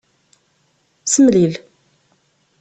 Semlil.